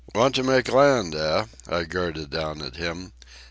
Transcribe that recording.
"Want to make land, eh?" I girded down at him.